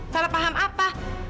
salah paham apa